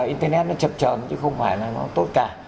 internet nó chập trờn chứ không phải là nó tốt cả